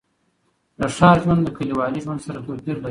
د ښار ژوند له کلیوالي ژوند سره توپیر لري.